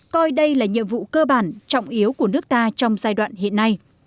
coi đây là nhiệm vụ cơ bản trọng yếu của nước ta trong giai đoạn hiện nay